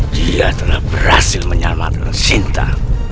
dia telah berhasil menyelamatkan sinta